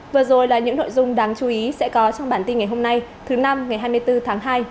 vừa rồi là những nội dung đáng chú ý sẽ có trong bản tin ngày hôm nay thứ năm ngày hai mươi bốn tháng hai